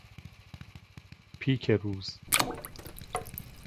پیک روز